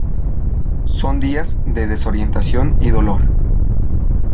Son días de desorientación y dolor.